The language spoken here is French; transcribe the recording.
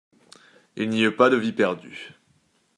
Il n'y eut pas de vies perdues.